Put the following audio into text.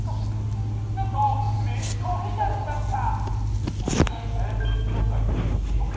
なんと名刺をいただきました。